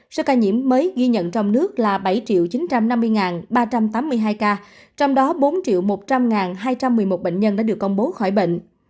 số ca nhiễm mới ghi nhận trong nước là bảy chín trăm năm mươi ba trăm tám mươi hai ca trong đó bốn một trăm linh hai trăm một mươi một bệnh nhân đã được công bố khỏi bệnh